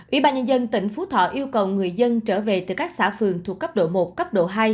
ủy ban nhân dân tỉnh phú thọ yêu cầu người dân trở về từ các xã phường thuộc cấp độ một cấp độ hai